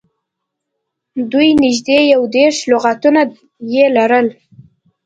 دوی نږدې یو دېرش لغاتونه یې لرل